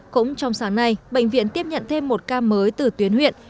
cũng trong sáng nay bệnh viện tiếp nhận thêm một ca mới từ tuyến huyện